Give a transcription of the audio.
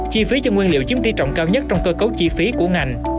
chi phí cho nguyên liệu chiếm tỷ trọng cao nhất trong cơ cấu chi phí của ngành